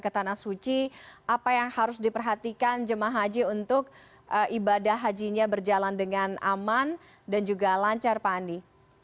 jadi bagi jemaah ayp apa yang harus diperhatikan jemaah haji untuk ibadah hajinya berjalan dengan aman dan juga lancar pak andi